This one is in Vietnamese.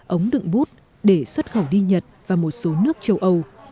ống đựng bút để xuất khẩu đi nhật và một số nước châu âu